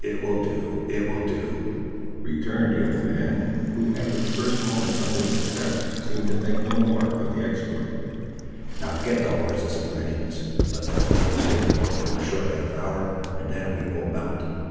"It will do—it will do," returned the old man, who after the first moment of his success seemed to think no more of the exploit; "now get the horses in readiness. Let the flames do their work for a short half hour, and then we will mount.